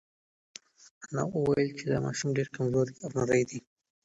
انا وویل چې دا ماشوم ډېر کمزوری او نری دی.